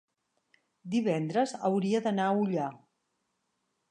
divendres hauria d'anar a Ullà.